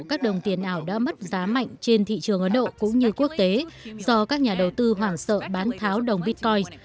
các đồng tiền ảo đã mất giá mạnh trên thị trường ấn độ cũng như quốc tế do các nhà đầu tư hoảng sợ bán tháo đồng bitcoin